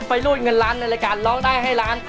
ไปรูดเงินล้านในรายการร้องได้ให้ล้าน